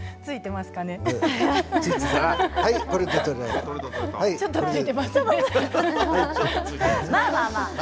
まあまあまあ。